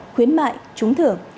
khuyến mại trúng thưởng